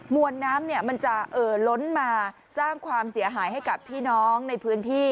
วนน้ำมันจะเอ่อล้นมาสร้างความเสียหายให้กับพี่น้องในพื้นที่